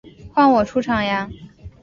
换我出场呀！